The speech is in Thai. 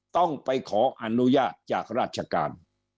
ต้องไปขออนุญาตจากราชการ